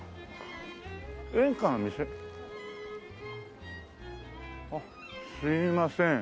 演歌の店？あっすみません。